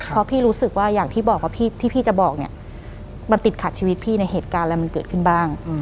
เพราะพี่รู้สึกว่าอย่างที่บอกว่าที่พี่จะบอกเนี่ยมันติดขัดชีวิตพี่ในเหตุการณ์อะไรมันเกิดขึ้นบ้าง